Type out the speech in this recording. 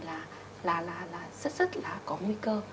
là rất rất là có nguy cơ